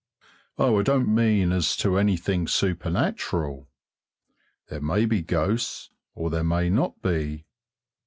Oh, I don't mean as to anything supernatural! There may be ghosts, or there may not be.